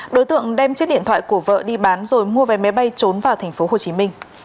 đối tượng đem chiếc điện thoại của vợ đi bán rồi mua vé máy bay trốn vào tp hcm